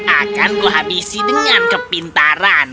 akanku habisi dengan kepintaranku